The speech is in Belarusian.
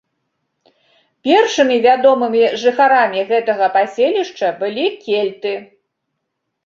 Першымі вядомымі жыхарамі гэтага паселішча былі кельты.